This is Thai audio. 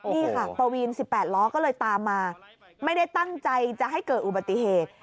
นี่ค่ะปวีน๑๘ล้อก็เลยตามมาไม่ได้ตั้งใจจะให้เกิดอุบัติเหตุ